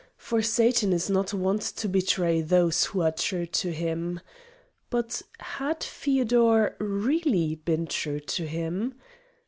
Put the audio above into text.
For Satan is not wont to betray those who are true to him. But had Feodor really been true to him?